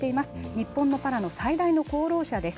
日本のパラの最大の功労者です。